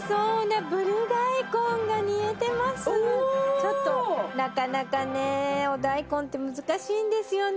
ちょっとなかなかねお大根って難しいんですよね